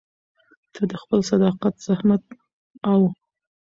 ته د خپل صداقت، زحمت او